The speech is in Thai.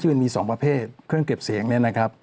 มันมี๒ประเภทเครื่องเก็บเสียงเนี่ยนะครับ